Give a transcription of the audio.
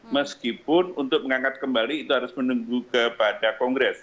meskipun untuk mengangkat kembali itu harus menunggu kepada kongres